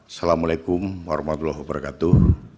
assalamu alaikum warahmatullahi wabarakatuh